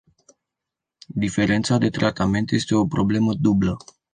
Diferența de tratament este o problemă dublă.